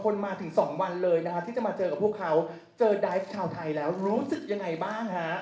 และจากไทย